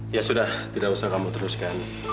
ya sudah tidak usah kamu teruskan